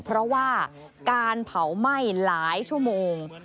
เพราะว่าการเผาไหม้หลายชั่วโมง